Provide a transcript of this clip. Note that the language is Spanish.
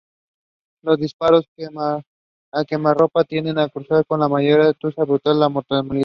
Los disparos a quemarropa tienden a cursar con una mayor tasa bruta de mortalidad.